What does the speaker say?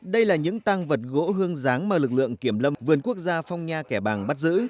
đây là những tăng vật gỗ hương giáng mà lực lượng kiểm lâm vườn quốc gia phong nha kẻ bàng bắt giữ